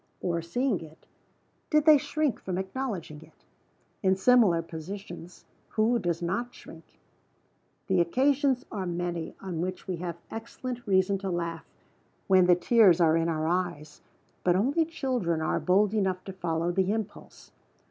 Or, seeing it, did they shrink from acknowledging it? In similar positions, who does not shrink? The occasions are many on which we have excellent reason to laugh when the tears are in our eyes; but only children are bold enough to follow the impulse.